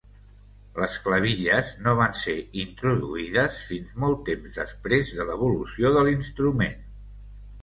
Les clavilles no van ser introduïdes fins molt temps després de l'evolució de l'instrument.